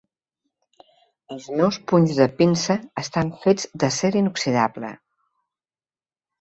Els meus punys de pinça estan fets d'acer inoxidable.